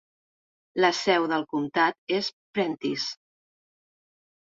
La seu del comtat és Prentiss.